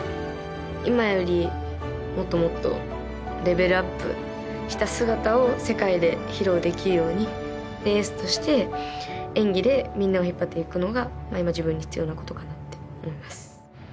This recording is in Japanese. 今よりもっともっとを世界で披露できるようにエースとして演技でみんなを引っ張っていくのが今自分に必要なことかなって思います。